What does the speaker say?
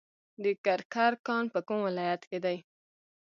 د کرکر کان په کوم ولایت کې دی؟